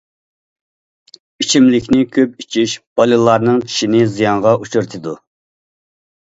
ئىچىملىكنى كۆپ ئىچىش بالىلارنىڭ چىشىنى زىيانغا ئۇچرىتىدۇ.